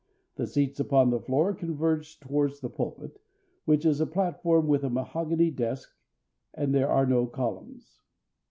The seats upon the floor converge towards the pulpit, which is a platform with a mahogany desk, and there are no columns.